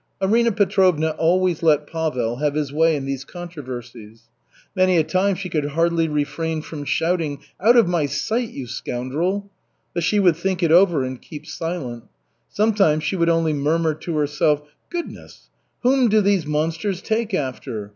Arina Petrovna always let Pavel have his way in these controversies. Many a time she could hardly refrain from shouting, "Out of my sight, you scoundrel." But she would think it over and keep silent. Sometimes she would only murmur to herself: "Goodness, whom do these monsters take after?